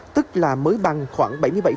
tức là mới bằng khoảng bảy mươi bảy